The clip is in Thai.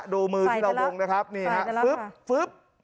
ดูมือที่เราวงนะครับใส่ได้แล้วค่ะ